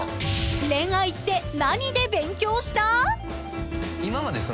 ［恋愛って何で勉強した？］